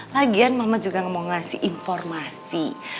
lagian mama juga mau ngasih informasi